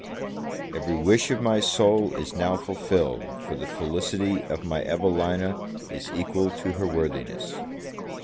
EVERY wish of my soul is now fulfilled for the felicity of my Evelina is equal to her worthiness!